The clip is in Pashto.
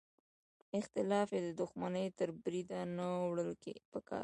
اختلاف یې د دوښمنۍ تر بریده نه وړل پکار.